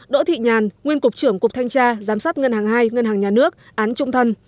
đỗ thị nhàn nguyên cục trưởng cục thanh tra giám sát ngân hàng hai ngân hàng nhà nước án trung thân